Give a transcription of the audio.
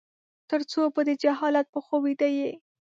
ترڅو به د جهالت په خوب ويده يې ؟